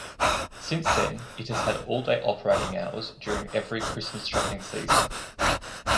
Since then, it has had all-day operating hours during every Christmas shopping season.